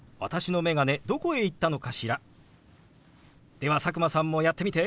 では佐久間さんもやってみて！